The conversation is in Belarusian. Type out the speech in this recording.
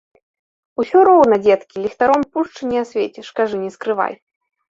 Усё роўна, дзеткі, ліхтаром пушчы не асвеціш, кажы, не скрывай.